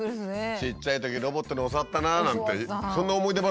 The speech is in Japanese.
「ちっちゃいときロボットに教わったな」なんてそんな思い出話？